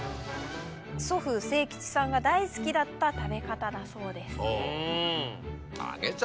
祖父清吉さんが大好きだった食べ方だそうです。